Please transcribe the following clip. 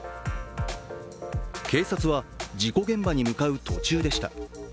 警察は事故現場に向かう途中でした。